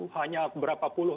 hanya beberapa puluh